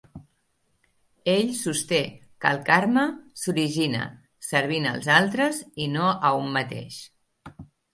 Ell sosté que el Karma s'origina servint als altres i no a un mateix.